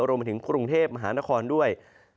รวมไปถึงกรุงเทพมหานครด้วย